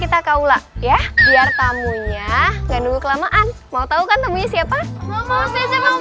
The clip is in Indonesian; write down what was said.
kita kaula ya biar tamunya enggak dulu kelamaan mau tahu kan temui siapa ayo udah yuk ayo ayo